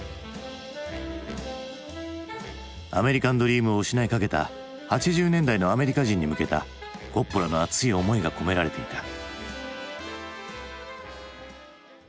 アメリカンドリームを失いかけた８０年代のアメリカ人に向けたコッポラの熱い思いが込められていた。